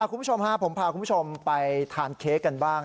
คุณผู้ชมฮะผมพาคุณผู้ชมไปทานเค้กกันบ้าง